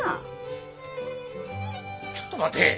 ちょっと待て。